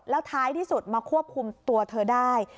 แล้วท้ายที่สุดมาควบคุมตัวเธอได้